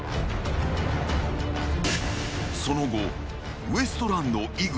［その後ウエストランド井口］